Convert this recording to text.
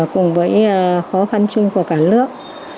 cùng với khó khăn chung của cả nước